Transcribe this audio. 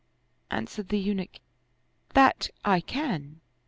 Answered the Eunuch, " That I can!